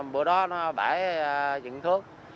bữa đó nó bể dựng thước